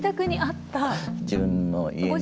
自分の家の。